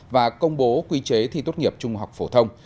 và công bố quy chế thi tốt nghiệp trung học phổ thông